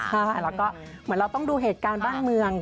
ใช่แล้วก็เหมือนเราต้องดูเหตุการณ์บ้านเมือง